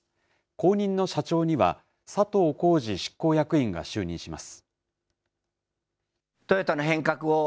後任の社長には、佐藤恒治執行役員が就任します。